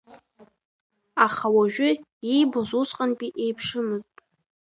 Аха уажәы иибоз усҟантәи еиԥшымызт.